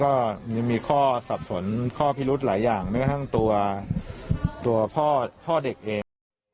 ก็ยังมีข้อสับสนข้อพิรุธหลายอย่างแม้กระทั่งตัวพ่อเด็กเอง